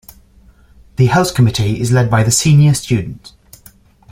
The House Committee is led by the Senior Student.